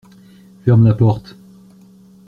Ferme la porte.